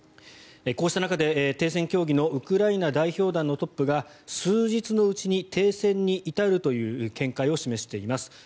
こうした中で停戦協議のウクライナ代表団のトップが数日のうちに停戦に至るという見解を示しています。